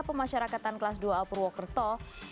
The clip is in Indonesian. pemasyarakatan kelas dua alpurwokerto